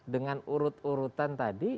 dengan urut urutan tadi